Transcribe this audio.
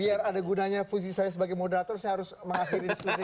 biar ada gunanya fungsi saya sebagai moderator saya harus mengakhiri diskusi